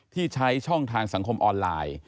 ที่ใช้ช่องทางสังคมออนไลน์